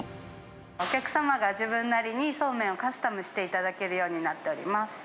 お客様が自分なりにそうめんをカスタムしていただけるようになっております。